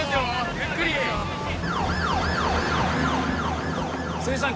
ゆっくり千住さん